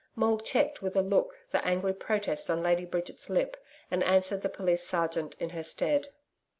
Maule checked with a look the angry protest on Lady Bridget's lip and answered the Police Sergeant in her stead.